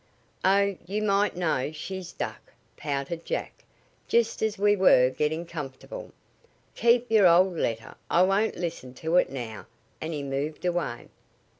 "Oh, you might know she'd duck," pouted Jack, "just as we were getting comfortable. Keep your old letter. I won't listen to it now," and he moved away.